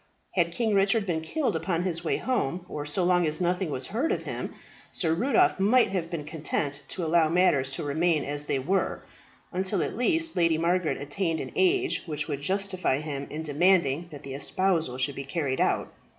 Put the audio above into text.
Had King Richard been killed upon his way home, or so long as nothing was heard of him, Sir Rudolph might have been content to allow matters to remain as they were, until at least Lady Margaret attained an age which would justify him in demanding that the espousal should be carried out.